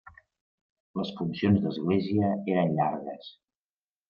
Les funcions d'església eren llargues.